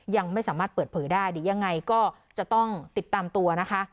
ยังไม่สามารถเปิดเผยได้หรือยังไงก็จะต้องติดตามตัวนะคะ